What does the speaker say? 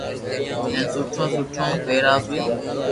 ھين سٺو سٺو پيراويو